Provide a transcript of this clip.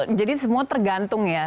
oke jadi semua tergantung ya